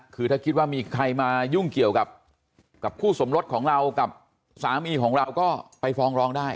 คือถ้าคิดว่ามีใครมายุ่งเกี่ยวกับคู่สมรสของเรากับสามีของเราก็ไปฟ้องร้องได้